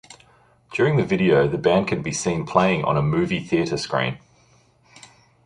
During the video, the band can be seen playing on a movie theater screen.